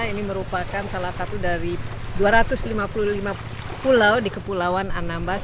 ini merupakan salah satu dari dua ratus lima puluh lima pulau di kepulauan anambas